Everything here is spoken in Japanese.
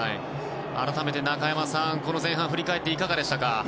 改めて中山さんこの前半を振り返っていかがでしたか？